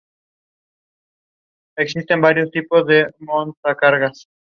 Los participantes en esta coalición fueron Inglaterra, Prusia, Rusia, Sajonia y Suecia.